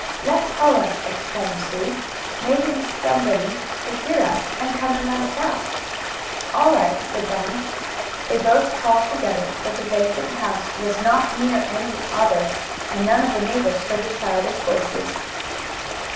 "Let's holler!" exclaimed Sue. "Maybe somebody will hear us and come and let us out." "All right," said Bunny. They both called together. But the vacant house was not near any other, and none of the neighbors heard the childish voices.